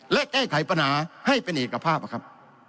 และแก้ไขปัญหาให้เป็นเอกภาพนะครับ